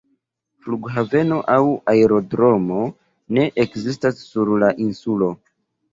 Flughaveno aŭ aerodromo ne ekzistas sur la insulo.